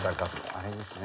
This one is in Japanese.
あれですね